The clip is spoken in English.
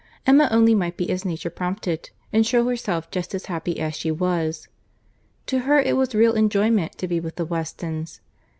—Emma only might be as nature prompted, and shew herself just as happy as she was. To her it was real enjoyment to be with the Westons.